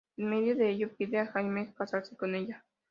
En medio de ello, pide a Jamie casarse con ella.